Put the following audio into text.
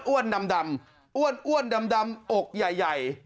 อ้วนดำออกใหญ่